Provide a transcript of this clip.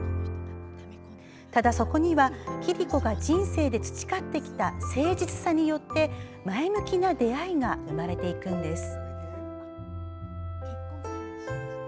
ただそこには、桐子が人生で培ってきた誠実さによって前向きな出会いが生まれていくのです。